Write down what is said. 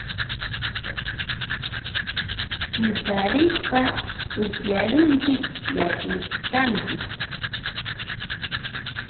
kutarishpa upyarunchik yakuntapis.